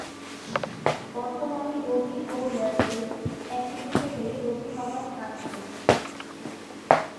বর্তমানে রবি ও এয়ারটেল একীভূত হয়ে রবি হবার কাজ করছে।